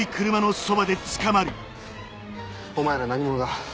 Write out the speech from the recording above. お前ら何者だ？